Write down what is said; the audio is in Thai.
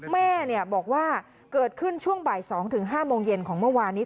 แม่บอกว่าเกิดขึ้นช่วงบ่าย๒๕โมงเย็นของเมื่อวานนี้